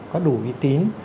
có đủ uy tín